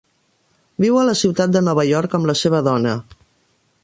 Viu a la ciutat de Nova York amb la seva dona.